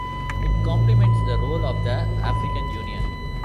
It complements the role of the African Union.